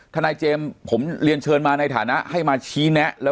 ทนายเจมส์ผมเรียนเชิญมาในฐานะให้มาชี้แนะ